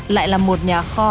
lại là một nhà kho